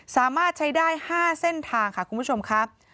สามารถใช้ได้๕เส้นทางค่ะคุณผู้ชมครับ